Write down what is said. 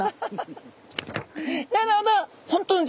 なるほど。